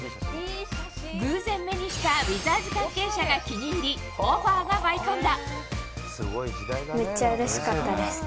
偶然目にしたウィザーズ関係者が気に入りオファーが舞い込んだ。